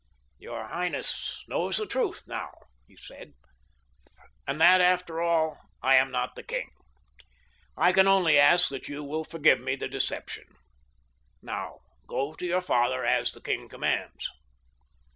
"Your highness knows the truth, now," he said, "and that after all I am not the king. I can only ask that you will forgive me the deception. Now go to your father as the king commands."